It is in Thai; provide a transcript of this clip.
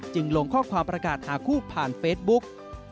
ลงข้อความประกาศหาคู่ผ่านเฟซบุ๊ก